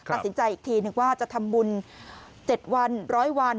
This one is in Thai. อัดสินใจอีกทีหนึ่งว่าจะทำบุญ๗วัน๑๐๐วัน